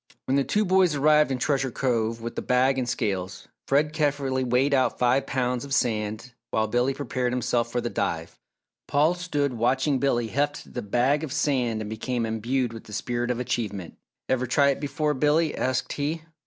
When the two boys arrived in Treasure Cove with the bag and scales, Fred carefully weighed out five pounds of sand while Billy prepared himself for the dive. Paul stood watching Billy heft the bag of sand and became imbued with the spirit of achievement. "Ever try it before, Billy?" asked he.